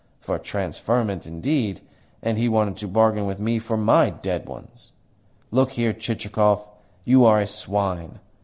For transferment, indeed! And he wanted to bargain with me for my DEAD ones! Look here, Chichikov. You are a swine!